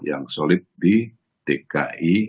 yang solid di dki